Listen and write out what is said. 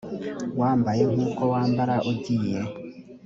wambaye nk uko wambara ugiye